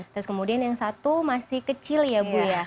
terus kemudian yang satu masih kecil ya bu ya